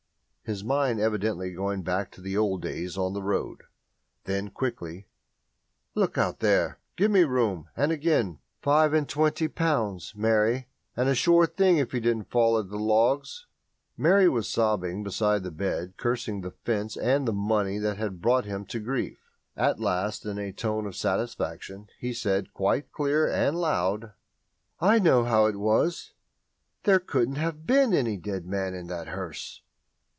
his mind evidently going back to the old days on the road. Then, quickly, "Look out there give me room!" and again "Five and twenty pounds, Mary, and a sure thing if he don't fall at the logs." Mary was sobbing beside the bed, cursing the fence and the money that had brought him to grief. At last, in a tone of satisfaction, he said, quite clear and loud: "I know how it was _There couldn't have been any dead man in that hearse!